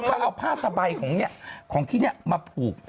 เขาเอาผ้าสบายของที่นี่มาผูก